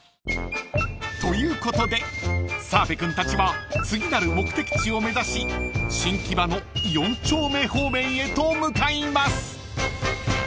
［ということで澤部君たちは次なる目的地を目指し新木場の４丁目方面へと向かいます］